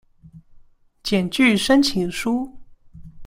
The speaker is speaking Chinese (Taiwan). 檢具申請書